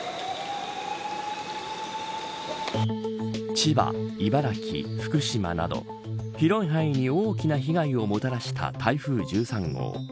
千葉、茨城、福島など広い範囲に大きな被害をもたらした台風１３号。